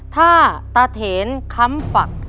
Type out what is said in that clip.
ธาตระเถนคำฝัก